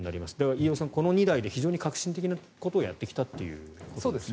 飯尾さん、この二台で非常に革新的なことをやってきたということですね。